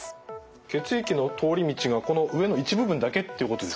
血液の通り道がこの上の一部分だけっていうことですよね。